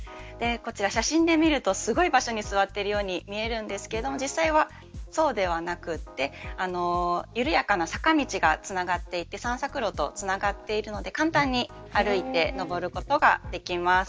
写真で見ると、すごい場所に座っているように見えるんですけど実際は、そうではなくて緩やかな坂道がつながっていて散策路とつながっているので簡単に歩いて登ることができます。